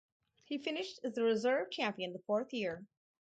He finished as the reserve champion the fourth year.